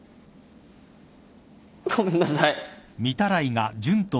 ごめんなさい。